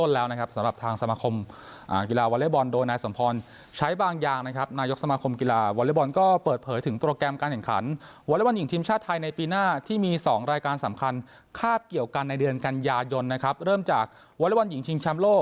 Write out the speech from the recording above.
แล้วนะครับสำหรับทางสมาคมอ่ะทีลาวเวอร์ตีลบอลโดยนายสมโพนใช้บางอย่างนะครับนายกสมมาคมกีฬา